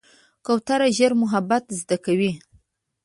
کوتره ژر محبت زده کوي.